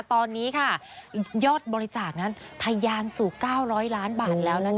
ตอนนี้ค่ะยอดบริจาคนั้นทะยานสู่๙๐๐ล้านบาทแล้วนะคะ